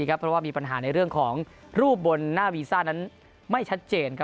เพราะว่ามีปัญหาในเรื่องของรูปบนหน้าวีซ่านั้นไม่ชัดเจน